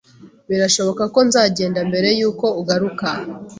Birashoboka ko nzagenda mbere yuko ugaruka.